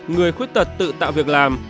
sáu người khuyết tật tự tạo việc làm